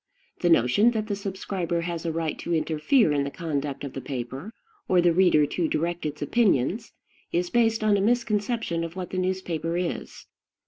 The notion that the subscriber has a right to interfere in the conduct of the paper, or the reader to direct its opinions, is based on a misconception of what the newspaper is.